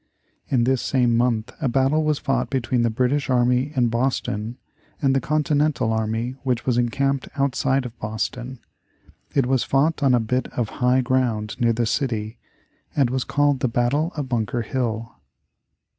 In this same month a battle was fought between the British army in Boston and the Continental army which was encamped outside of Boston. It was fought on a bit of high ground near the city, and was called the Battle of Bunker Hill.